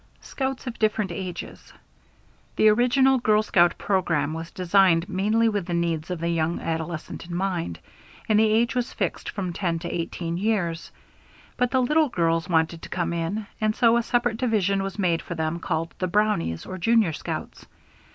Scouts of different ages. The original girl scout program was designed mainly with the needs of the young adolescent in mind, and the age was fixed from 10 to 18 years. But the little girls wanted to come in, and so a separate division was made for them called the Brownies or Junior Scouts.